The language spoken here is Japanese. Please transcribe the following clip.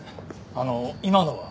あのう今のは？